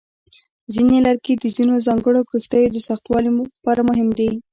ځینې لرګي د ځینو ځانګړو کښتیو د سختوالي لپاره مهم دي.